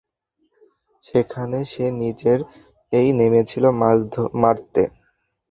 সেখানে সে নিজেই নেমেছিল মাছ মারতে।